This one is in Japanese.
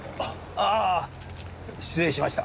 ああ失礼しました。